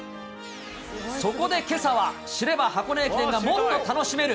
そこでけさは、知れば箱根駅伝がもっと楽しめる！